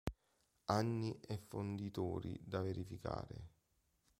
Anni e fonditori da verificare.